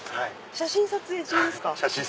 ⁉写真撮影中です。